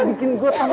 ia bikin gue sampai